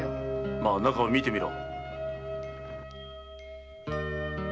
まあ中を見てみろ。